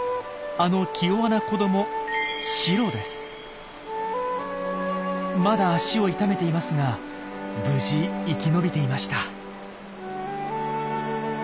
あの気弱な子どもまだ足を痛めていますが無事生き延びていました。